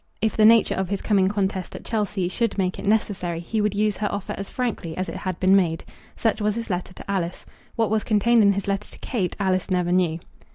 If the nature of his coming contest at Chelsea should make it necessary, he would use her offer as frankly as it had been made. Such was his letter to Alice. What was contained in his letter to Kate, Alice never knew.